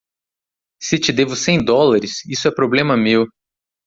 Se te devo cem dólares, isso é problema meu.